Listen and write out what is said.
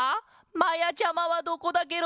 まやちゃまはどこだケロ！